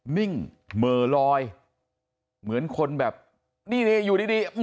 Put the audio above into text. นิ่งเหม่อลอยเหมือนคนแบบนี่อยู่ดี